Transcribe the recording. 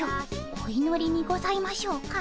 お祈りにございましょうか？